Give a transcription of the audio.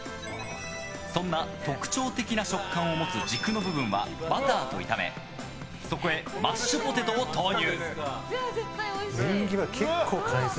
そんな特徴的な食感を持つ軸の部分は、バターと炒めそこへマッシュポテトを投入！